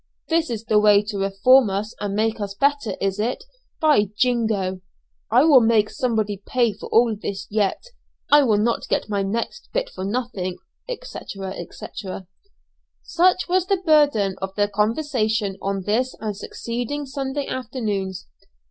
This is the way to reform us and make us better, is it? By jingo! I will make somebody pay for all this yet. I'll not get my next bit for nothing," &c., &c. Such was the burden of the conversation on this and succeeding Sunday afternoons.